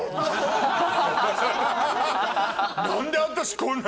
「何で私こんな」。